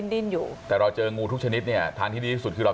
ดิ้นอยู่แต่เราเจองูทุกชนิดเนี่ยทางที่ดีที่สุดคือเรา